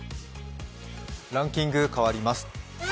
ランキング変わります。